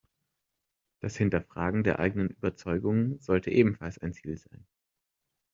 Das Hinterfragen der eigenen Überzeugungen sollte ebenfalls ein Ziel sein.